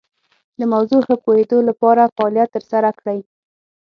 د موضوع ښه پوهیدو لپاره فعالیت تر سره کړئ.